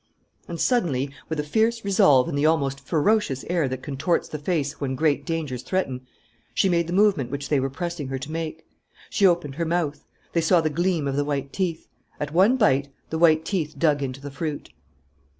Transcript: And, suddenly, with a fierce resolve and the almost ferocious air that contorts the face when great dangers threaten, she made the movement which they were pressing her to make. She opened her mouth. They saw the gleam of the white teeth. At one bite, the white teeth dug into the fruit.